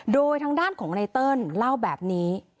โดยทางด้านของไนเติ้ลเล่าแบบนี้